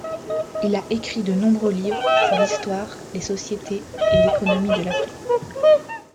Il a écrit de nombreux livres sur l'histoire, les sociétés et l'économie de l'Afrique.